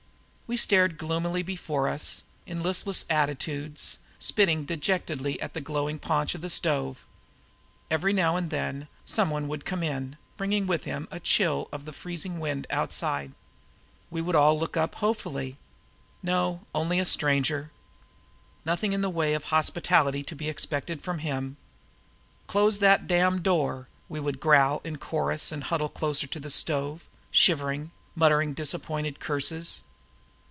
We stared gloomily before us, in listless attitudes, spitting dejectedly at the glowing paunch of the stove. Every now and then someone would come in bringing with him a chill of the freezing wind outside. We would all look up hopefully. No, only a stranger. Nothing in the way of hospitality to be expected from him. "Close that damned door!" we would growl in chorus and huddle closer to the stove, shivering, muttering disappointed curses.